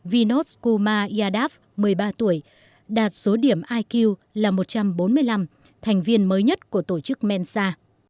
vinod kumar yadav một mươi ba tuổi đạt số điểm iq là một trăm bốn mươi năm thành viên mới nhất của tổ chức mensa